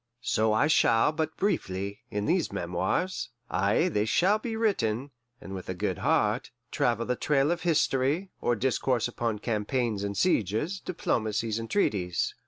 So I shall but briefly, in these memoirs (ay, they shall be written, and with a good heart), travel the trail of history, or discourse upon campaigns and sieges, diplomacies and treaties.